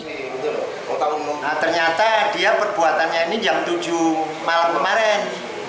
nah ternyata dia perbuatannya ini jam tujuh malam kemarin